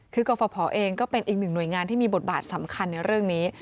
คือกรฟภเองก็เป็นอีกหนึ่งหน่วยงานที่มีบทบาทสำคัญในเรื่องนี้